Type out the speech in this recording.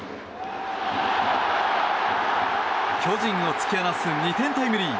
巨人を突き放す２点タイムリー。